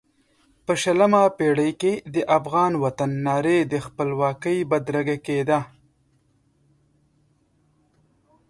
په شلمه پېړۍ کې د افغان وطن نارې د خپلواکۍ بدرګه کېدې.